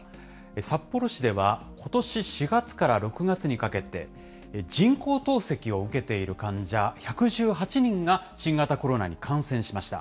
札幌市では、ことし４月から６月にかけて、人工透析を受けている患者１１８人が新型コロナに感染しました。